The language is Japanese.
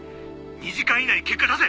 ２時間以内に結果出せ！